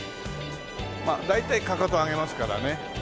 まあ大体かかと上げますからね。